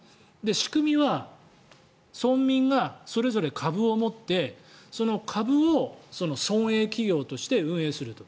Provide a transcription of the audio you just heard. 仕組みは村民がそれぞれ株を持ってその株を村営企業として運営すると。